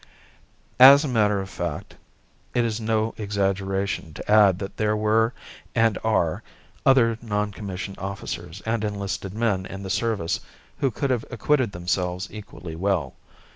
As a matter of fact, it is no exaggeration to add that there were and are other non commissioned officers and enlisted men in the service who could have acquitted themselves equally well.